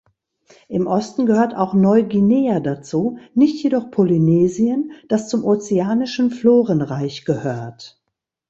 Im Osten gehört auch Neuguinea dazu, nicht jedoch Polynesien, das zum ozeanischen Florenreich gehört.